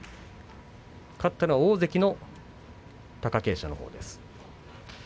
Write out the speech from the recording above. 勝ったのは大関の貴景勝です。